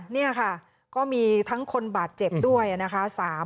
นี่ค่ะก็มีทั้งคนบาดเจ็บด้วยนะคะ